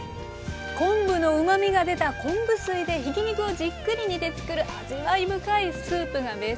昆布のうまみが出た昆布水でひき肉をじっくり煮て作る味わい深いスープがベースです。